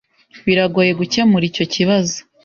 Birangoye gukemura icyo kibazo.